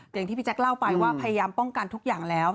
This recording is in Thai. อย่างที่พี่แจ๊คเล่าไปว่าพยายามป้องกันทุกอย่างแล้ว